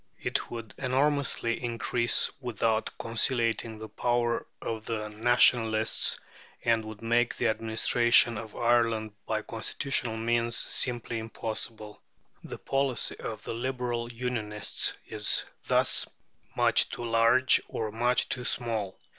It would enormously increase without conciliating the power of the Nationalists, and would make the administration of Ireland by constitutional means simply impossible. The policy of the Liberal Unionists is thus much too large or much too small.